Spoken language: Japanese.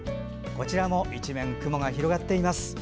こちらも一面雲が広がっています。